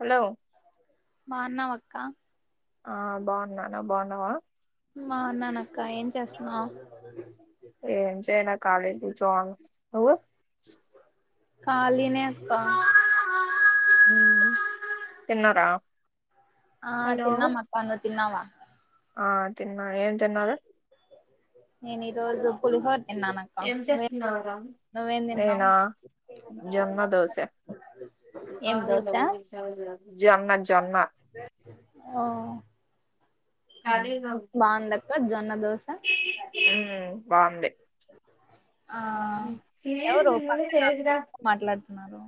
Hello బాగున్నావా అక్క ఆ బాగున్నాను నువ్ బాగున్నావా బాగున్న అక్క ఏం చేస్తున్నావ్ కలి కూర్చొన్ నువ్వు కాలినే అక్క తిన్నార ఆ తిన్నాం అక్క నువ్ తిన్నవా ఆ తిన్నా ఏం తిన్నారు నేను ఈ రోజు పుల్ ఏం చేస్తున్నవ్రా నువ్వేం తిన్నావు నేనా జన్మ దోస ఏం దోశ జొన్న జొన్న ఓ కలిగ బాగుందక్క జొన్న దోశ ఆ స నిన్న కూడా చేదా నారు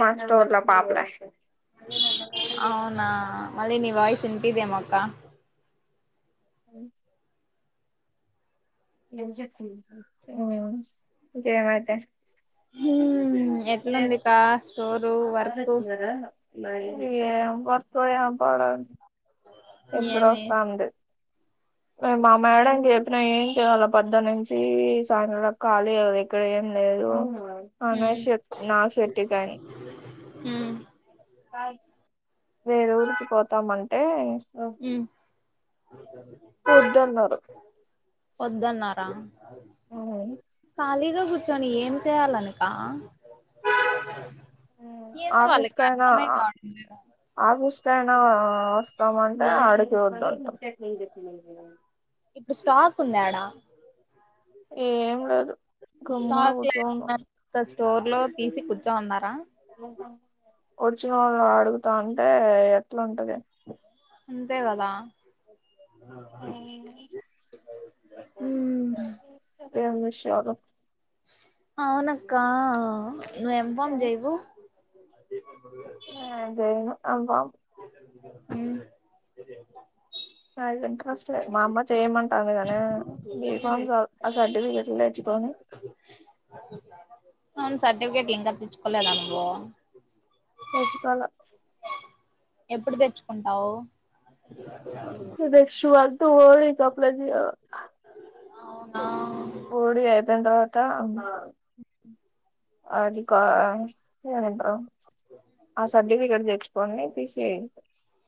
మాస్టోర్ పాపలాంది అవునా మళ్ళీ ని వయిసు వినిపిడేమో అక్క అవు ఇంకేం ఐతే హు ఎట్లుంది కా స్టోర్ ఏం పత్యా పాడడి ఏమి అపూడొస్తంది మా మేడం చెప్పినా ఏం చేయాలి పద్ద నుంచి సాయంత్ర కా లేవు ఇక్కడ ఏం లేదు అ ఉమ్ నాట్ నా ట్టి కానీ ఉ వేర ఊరికి పోతామంటే ఉ ఒద్దన్నారు ఓద్దన్నారా ఏదో కూర్చొని ఏం చేయాలంట ఆఫీస్ కైనా కావడం లేదు ఆఫీస్ కైనా వస్తామంటే ఆడి చూద్ద ఇప్పుడు స్టాక్ ఉందాడా ఏం లే స్టాక్ లేదన్న స్టోర్ లో తీసి కూర్చోమన్నారా ఒచ్చినోళ్ళు అడుగుతా ఉంటే ఎట్లా ఉంటది అంతేకదా ఉ ఎమీ షోరు అవునక్క ను ఎం ఫమ్ జయవు నేను జేయను అబ్బా ఉ అదం కస్ట్లేదు మా అమ్మ చెయ్యమంటామ్ గాని బి ఫార్మసీ ఆ సర్టిఫికెట్లు తెచ్చుకొని అ అవును సర్టిఫికేట్ లింగా తెచ్చుకోలేదా నువ్వు తెచ్చుకోల ఎప్పుడు తెచ్చుకుంటావు నెక్స్ట్ మంత్ ఓ డి కి అప్లై చేయాలా అవునా ఓ డి అయిపోయిన తర్వాత అది కా ఏండ్రు ఆ సర్టిఫికెట్ తెచ్చుకోని టిసి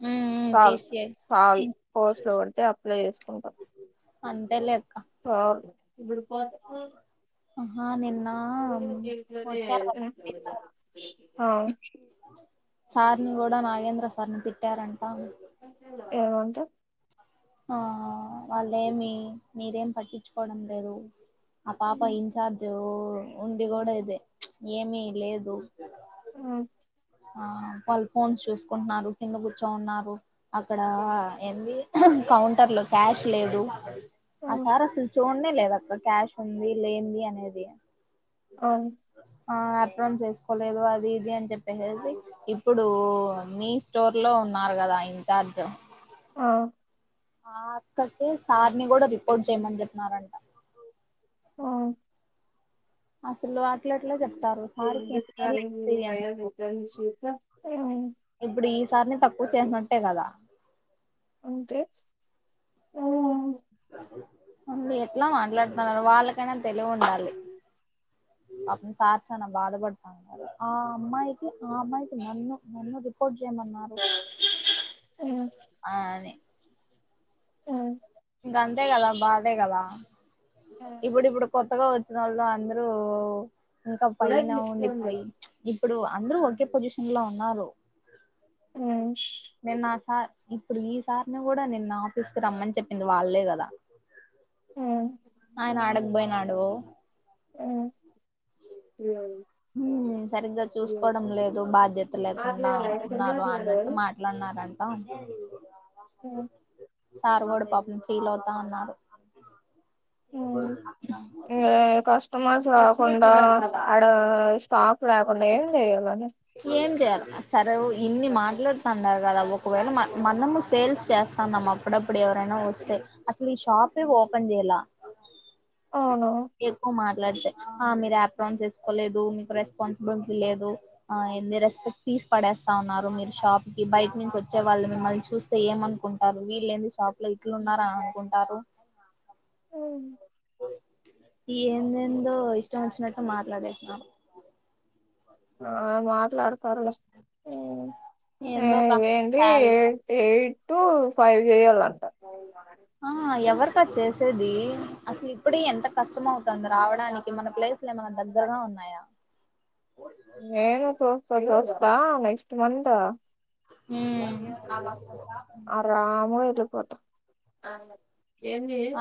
మ్మ్ మ్మ్ సాల్ తీసియ్ సాల్ పోర్స్ట్ లో పడితే అప్లై చేసుకుంటాం అంతే లేక్ చపో అహ నిన్ కదా ఆ సార్ని కూడా నాగేంద్ర సార్ని తిట్టారంట ఏమంట ఆ వాళ్ళేమి మీరేమి పట్టించుకోవడం లేదు ఆ పాప ఇన్చార్జ్ ఉండి కూడా ఇదే ఏమి లేదు ఆ వాళ్ళు ఫోన్స్ చూసుకుంటున్నారు కింద కూర్చోన్నారు అక్కడ ఎంది కౌంటర్ లో క్యాష్ లేదు ఆ సార్ అసలు చూడనే లేదక్క క్యాష్ ఉంది లేంది అనేది ఆ ఆ ఆప్ప్రాన్స్ ఏసుకోలేదు అది ఇది అని చెప్పి సేసి ఇప్పుడు మీ స్టోర్ లో ఉన్నారు కదా ఇన్ఛార్జ్ ఆ ఆ అక్కకి సార్ని కూడా రిపోర్ట్ చేయమని చెప్పిన్నారంట ఓ అసలు అట్లా ఎట్లా చెప్ ప్తారు ఏం సార్కి ఎన్ని ఏళ్ల చెప్తారు ఎక్స్పీరియన్స్ కయాల్ ఇంటర్న్షిప్ ఉంది సార్ని తక్కువ చేసినట్టే కదా అంతే అ ఎట్లా మాట్లాడతన్నారు వాళ్ళకైనా తెలివి ఉండాలి పాపం సార్ చనా బాధపడతానరు ఆ అమ్మాయికి ఆ అమ్మాయికి నన్ను నన్ను రిపోర్ట్ చెయ్మన్నారు ఇంగ అంతే కదా బాధే కదా ఇప్పుడు ఇప్పుడు కొత్తగా వచ్చిన వాళ్ళు అందరూ ఇంకా కూడా పైన తీసుకోండి ఉండిపోయి ఇప్పుడు అందరు ఒకే పొజిషన్ లో ఉన్నారు ఉ నిన్న ఆ సార్ ఇప్పుడు ఈ సార్ని కూడా నిన్న ఆఫీస్ కు రమ్మని చెప్పింది వాళ్ళే కదా ఆయనాడక్ పోయినాడు ఆ సరిగ్గా చూసుకోవడం లేదు బాధ్యత లేకుండా ఉన్నారు అన్నట్టు మాట్లాడిన రంట సార్ గూడా పాపం ఫీల్ అవుతా ఉన్నాడు [inaudible] నమాజ్ చదవకుండా అడ స్టాక్ లేకుండా ఏం చేయాలని ఏం చేయాలి సరే ఇన్ని మాట్లాడంరు కదా ఒకవేళ మనము సేల్స్ చేస్తన్నాం అప్పుడప్పుడే ఎవ్వరైనా వస్తే అసలు ఈ షాపే ఓపన్ చేయలా అవును ఎక్కువ మాట్లాడితే ఆ మీరపన్ చేసుకోలేదు మీకు రెస్పాన్సిబిలిటీ లేదు అ ఎన్ని రెస్పెక్ట్ తీసి పడేస్తా ఉన్నారు మీరు షాప్కి బయట నుంచి వచ్చే వాళ్ళు మిమ్మల్ని చూస్తే ఏమనుకుంటా వీల్లెంది షాప్ల ఇట్లున్నారానుకుంటారు ఎందెందో ఇష్టం వచ్చినట్టు మాట్లాడేస్నారు ఆ మాట్లాడు సర్లే ఎ ఏందోక ఏంటి శాల ఏ ఏ టూ ఫైవ్ చేయాలంట ఆ ఎవరికా చేసేది అసలు ఇప్పుడి ఎంత కష్టం అవుతంది రావడానికి మన ప్లేసులు ఏమన్నా దగ్గరగా ఉన్నాయా వందా ఉమ్ అరమోఎరుపోత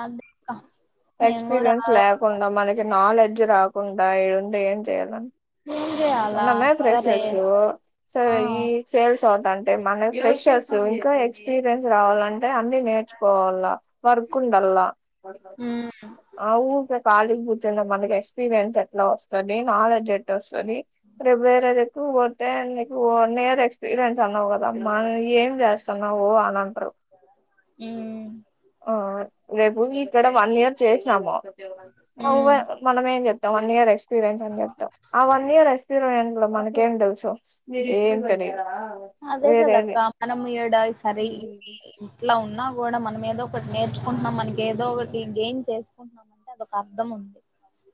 అదే అక్క నేను కూడా ఎక్స్పీరియన్స్ లేకుండా మనకి నాలె డ్జ్ రాకుండా ఏడుండేం చెయాల ఏం చేయాలా మనమే సరే ఫ్రెష్ర్స్ ఆ సరే ఈ సేల్స్ అవుతాంటే మన ఫ్రెషర్స్ ఇంకా ఎక్స్పీరియన్స్ రావాలంటే అన్ని నేర్చుకోవాలా వర్క్ ఉండల్లా హ్మ్ అఊకా కాలీగ్ మనకి ఎక్స్పీరియన్స్ ఎట్లా వస్తది నాలెడ్జ్ ఎట్లా వస్తది ప్రేవేరేదిక్కుక్ పోతే నీకు వన్నీయర్ ఎక్స్పీరియన్స్ అన్నావు కదామ్మా ఏం జ ఊ రేపూది ఇక్కడ వన్ ఇయర్ చేసినామ హ్మ్ మనం ఏం చెప్తాం వన్ ఇయర్ ఎక్స్పీరియన్స్ అని చెప్తాం ఆ వన్ ఇయర్ ఎక్స్పీరియన్స్ లో మనకేం తెలుసు ఏం తెలిదు అసేసేదక్క మనమీడా ఈ సరే ఇట్టా ఉన్నా గూడా మనం ఏదో ఒకటి నేర్చుకుంటున్నా మనకెదో ఒకటి గేమ్స్ ఎసుకుంటున్నామంటే అదొక అర్థం ఉ ది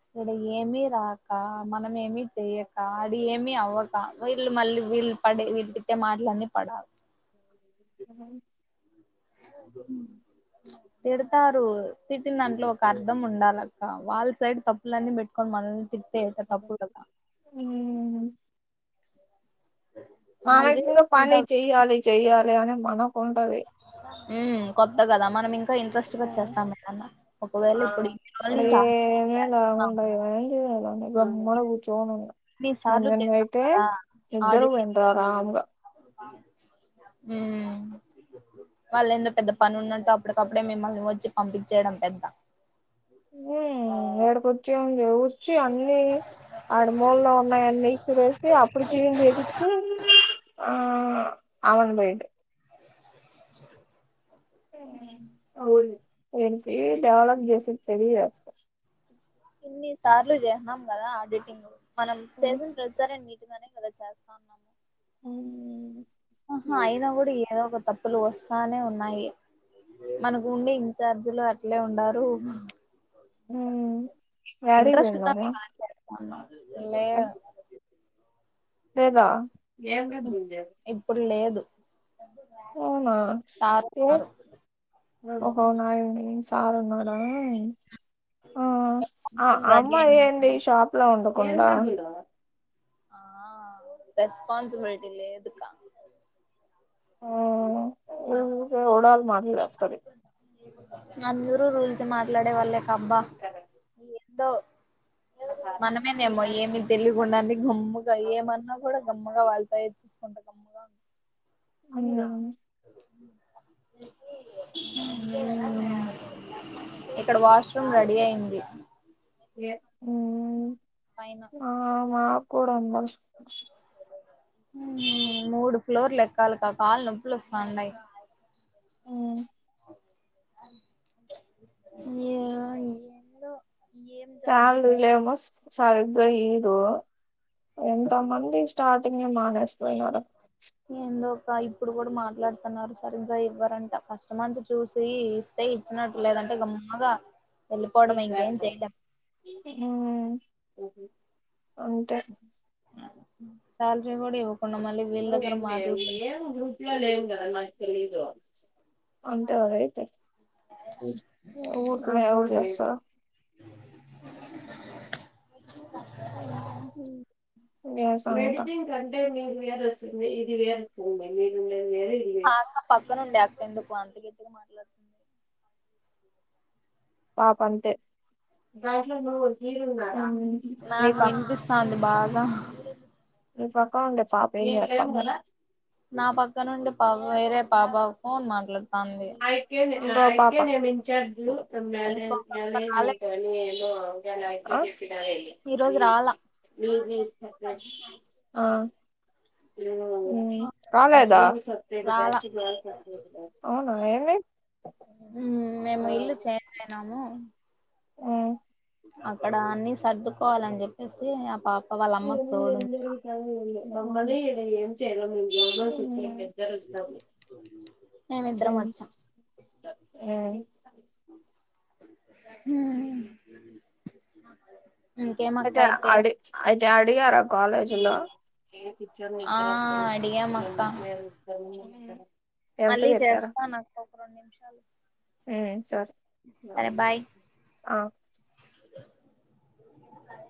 ఇక్కడ ఏమి రాక మనం ఏమి చెయ్యక అడ ఏమి అవ్వక వీళ్ళు మళ్ళీ వీల్ పడే వీళ్ తిట్టే మాటలన్నీ పడా అవు తిడతారు తిట్టిన దాంట్లో ఒక అర్ధం ఉండాలక్క వాళ్ళ సైడ్ తప్పులన్నీ పెట్టుకుని మనల్ని తిట్ ఉ మ శాలరీ [unintelligible] పని వచ్చేదాకా చెయ్యాలి చెయ్యాలి అని మనకుంటది ఉ కొత్త కదా మనం ఇంకా ఉ ఇంట్రెస్ట్ గా చేస్తాం ఏదన్నా ఒకవేళ ఇప్పుడు ఇన్ని రోజుల అడ నుంచి ఆడిటింగ్ ఏమేల చేస్తున్నాము ఉండదు ఏంచేయాలానే గమ్ముడా కూర్చొని ఇన్ని సార్లు చేసాం ఏమన్నైయితే కదా ఇద్దరు ఆడిటింగ్ పోయుంటారు ఆరాంగా. ఉమ్. వాళ్ళు ఎందోపెద్ద పని ఉన్నట్టు అప్పటికప్పుడే మిమ్మల్ని వచ్చి పంపించేయడం పెద్ద. ఏ ఈడికి వచ్చింది వచ్చి అన్ని. ఆడ మూలలో ఉన్నాయి అన్ని విసిరేసి అప్పుడు క్లీన్ చేపించి ఆహ్. అవును బేట్. అవును ఏసి డెవలప్ చేసి సరిచేస్త ఇన్ని సార్లు చేసిన్నాం కదా ఆడిటింగ్ మనం చేసిన ప్రతిసారి. ఉటిగానే కదా చేస్తా ఉన్నాము. అవును. ఆహా అయినా కూడా ఏదో ఒక తప్పులు వస్తానే ఉన్నాయి. మనకు ఉండే ఇన్ఛార్జీలు అట్లే ఉండారు. యాడికి ఇంట్రెస్ట్ ఉందా పోయిందమ్మ [unintelligible] లేదు. అంతేగా ఏం కాదులే. గా. అవునా పి హెచ్ ఆహ్ నైస్. సారున్నడే ఆహ్ ఆ రెడీ అమ్మాయి అయింది ఏంటి షాప్లా ఉండ. కొందా. ఆహ్ రెస్పాన్సిబిలిటీ లేదుగా. ఆహ్ నువ్వు చూడాలి మాది వస్తది. అందరూ రూల్స్ మాట్లాడే వాళ్ళే అబ్బా ఎందో. మనమేనేమో ఏమి తెలు. గుండానికి గమ్ముగా ఏమన్నా కూడా గమ్మగా వాళ్తాయ చూసుకుంటా గమ్ముగా ఉ. అవును. అవును. ఇక్కడ వాష్రూమ్ రెడీ అయింది. ఉమ్ పైన ఆహ్ మాకూడా అందది. ఉమ్ మూడు ఫ్లోర్ ఎక్కాలే కాళ్లు నొప్పులు వస్తా ఉన్నాయి. ఉమ్, ఆహ్. ఏం జాబ్ చాలులే మస్ సరిగ్గా ఇదు ఎంత మంది ఇష్ట. స్టార్టింగే మానేస్తున్నారు. ఇంకా ఇప్పుడు కూడా మాట్లాడుతున్నారు సార్ ఇంకా ఇవ్వరంట ఫస్ట్ మంత్ చూసి ఇస్తే ఇచ్చినట్టులేద. అంటే గమ్ముగా. ఉమ్. అంతే. ఉమ్ శాలరీ కూడా ఇవ్వు. ఓ ఏం ఏ ఏమో గ్రూప్లో లేం కదా మాకు తెలీదు. అంతేన అయితే ఊరికనే ఎవరు తెలుసా. ఉమ్. ఆహ్ శ్వేత. ఆ అక్క పక్కనుండే అక్క ఎందుకు అంత గట్టిగా మాట్లాడుతుంది. పాప అంతే దాంట్లో నువ్వు హీరో ఉన్నావ. నాకు వినిపిస్తాంది బాగా. నీ పక్కన ఉండే పాప ఏం చేస్తుంది. నా పక్క నుండి పా వేరే పాప ఫోన్ మాట్లాడుతాంది పాప ఇంకో పక్క రాలే ఈరోజు రాలా ఆ ఆ హలో కాలేదా రాలా అవునా ఏమీ మేము ఇల్లు చేంజ్ అయ్యినము ఆ అక్కడ అన్ని సర్దుకోవాలని చెప్పేసి ఆ పాప వాళ్ళ అమ్మకు తోడుంది ఎంతరి కా అమ్మనీ ఇ ఏం చేయలో జరుస్తాము మేమిద్దరం చెయ్ వచ్చాం ఉమ్ అయితే అడి అయితే అడిగారా కాలేజీ లో ఆ ఆ అడిగాం అక్క మళ్ళీ చేస్తాను అక్క ఒక రెండు నిమిషాలు ఉమ్ సరే సరే బాయ్ ఆ [inaudible]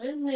అది మ